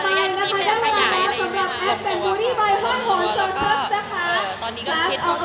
เอาละค่ะสำหรับคลาสออกกำลังกายนะคะ